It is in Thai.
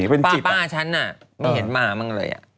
เป็นจิตอ่ะป๊าป๊าฉันน่ะไม่เห็นมาบ้างเลยอ่ะ